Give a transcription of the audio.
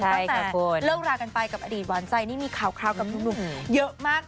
ตั้งแต่เลิกรากันไปกับอดีตหวานใจนี่มีข่าวกับหนุ่มเยอะมาก